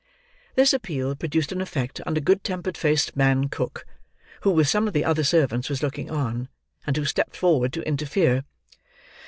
This appeal produced an effect on a good tempered faced man cook, who with some of the other servants was looking on, and who stepped forward to interfere.